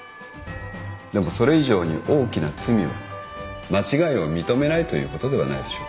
でもそれ以上に大きな罪は間違いを認めないということではないでしょうか。